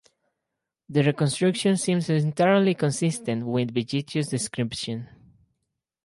The reconstruction seems entirely consistent with Vegetius' description.